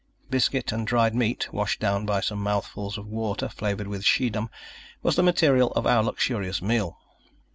Biscuit and dried meat, washed down by some mouthfuls of water flavored with Schiedam, was the material of our luxurious meal.